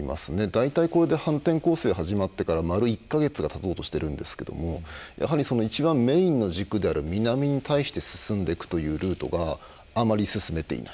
大体、これで反転攻勢始まってから丸１か月がたとうとしているんですけどもやはり一番メインの軸である南に対して進んでいくというルートがあまり進めていない。